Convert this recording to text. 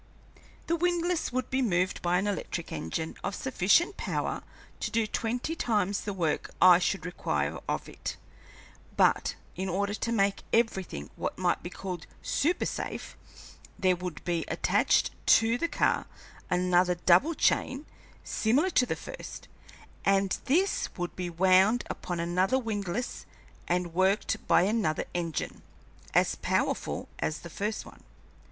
The windlass would be moved by an electric engine of sufficient power to do twenty times the work I should require of it, but in order to make everything what might be called super safe, there would be attached to the car another double chain, similar to the first, and this would be wound upon another windlass and worked by another engine, as powerful as the first one.